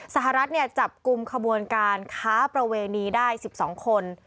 สหรัฐจับกลุ่มขบวนการค้าประเวณีได้๑๒คน